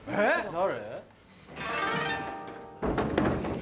誰？